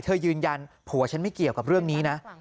ยืนยันผัวฉันไม่เกี่ยวกับเรื่องนี้นะ